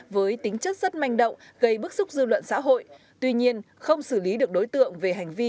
với tính chất rất manh động gây bức xúc dư luận xã hội tuy nhiên không xử lý được đối tượng về hành vi